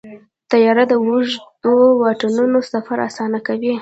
طیاره د اوږدو واټنونو سفر اسانه کوي.